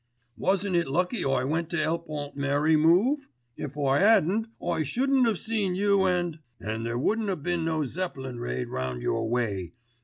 "Wasn't it lucky I went to help Aunt Mary move? If I hadn't I shouldn't have seen you and——" "And there wouldn't a been no Zeppelin raid round your way.